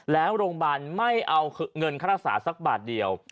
แล้วโรงพยาบาลไม่เอาเงินค่ารักษาสักบาทเดียว